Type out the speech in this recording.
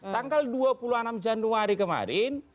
tanggal dua puluh enam januari kemarin